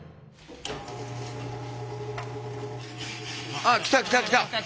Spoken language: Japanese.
あ来た来た来た。